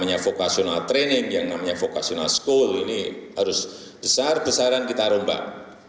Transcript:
namanya vocational training yang namanya vocational school ini harus besar besaran kita rombak